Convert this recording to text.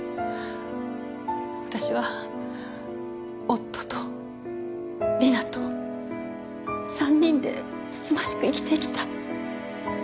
私は夫と理奈と３人でつつましく生きていきたい。